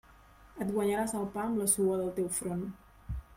Et guanyaràs el pa amb la suor del teu front!